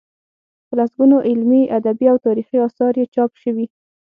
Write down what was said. په لسګونو علمي، ادبي او تاریخي اثار یې چاپ شوي.